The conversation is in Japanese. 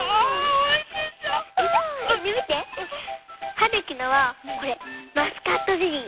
はるきのはこれマスカットゼリー。